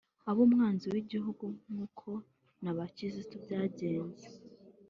abe umwanzi w’igihugu nk’uko na ba Kizito byagenze